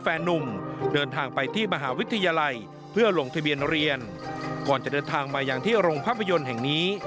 แฟนนุ่มเดินทางไปที่มหาวิทยาลัยเพื่อลงทะเบียนเรียนก่อนจะเดินทางมาอย่างที่โรงภาพยนตร์แห่งนี้